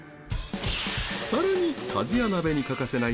さらに鍛冶屋鍋に欠かせない